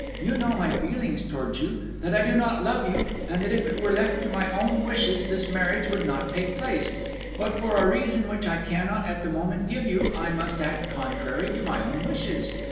You know my feelings towards you; that I do not love you, and that if it were left to my own wishes this marriage would not take place, but for a reason which I cannot at the moment give you I must act contrary to my own wishes.